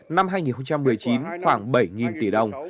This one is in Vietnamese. năm hai nghìn một mươi chín khoảng bảy tỷ đồng